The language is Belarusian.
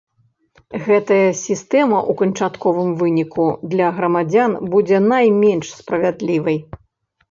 Гэтая сістэма ў канчатковым выніку для грамадзян будзе найменш справядлівай.